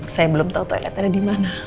saya belum tahu toiletnya dimana